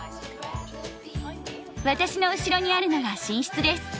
私の後ろにあるのが寝室です。